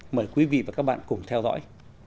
mời quý vị và các bạn cùng theo dõi